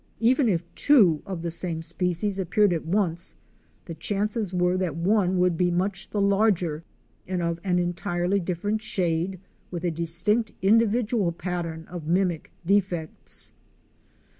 Even if two of the same species appeared at once, the chances were that one would be much the larger and of an entirely different shade with a dis tinct individual pattern of mimic defects.